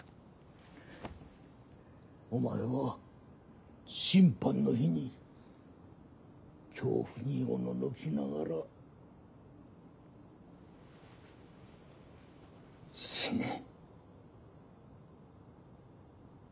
お前は審判の日に恐怖におののきながら死ね。